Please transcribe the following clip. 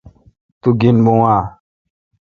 تو گین بھو۔